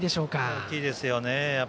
大きいですね。